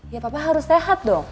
ya papa harus sehat dong